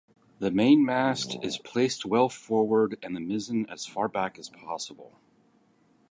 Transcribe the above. The mainmast is placed well forward and the mizzen as far back as possible.